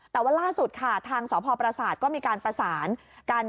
แต่ว่าล่าสุดค่ะทางสพประสาทก็มีการประสานกัน